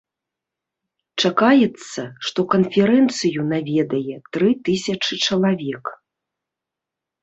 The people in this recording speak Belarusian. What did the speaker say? Чакаецца, што канферэнцыю наведае тры тысячы чалавек.